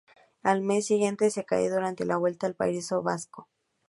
Al mes siguiente, se cae durante la Vuelta al País Vasco.